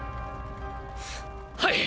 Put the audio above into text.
はい！